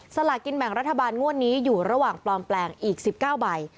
สลากินแบ่งรัฐบาลงวดนี้อยู่ระหว่างปลอมแปลงอีก๑๙ใบ